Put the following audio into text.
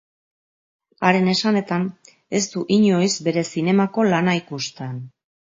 Haren esanetan, ez du inoiz bere zinemako lana ikusten.